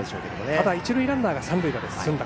ただ、一塁ランナーが三塁まで進んだ。